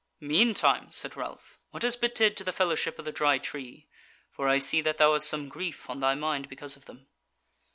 "Meantime," said Ralph, "what has betid to the Fellowship of the Dry Tree? for I see that thou hast some grief on thy mind because of them."